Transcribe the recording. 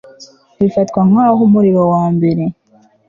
bifatwa nk aho umurimo wa mbere